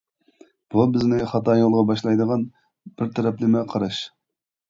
بۇ بىزنى خاتا يولغا باشلايدىغان بىر تەرەپلىمە قاراش!